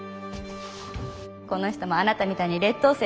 この人もあなたみたいに劣等生だったのよ。